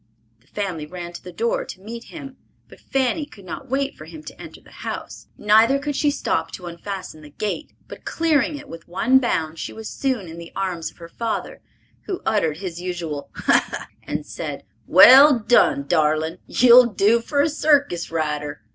The family ran to the door to meet him; but Fanny could not wait for him to enter the house, neither could she stop to unfasten the gate, but clearing it with one bound, she was soon in the arms of her father, who uttered his usual, "Ha, ha," and said, "Well done, darling; you'll do for a cirkis rider.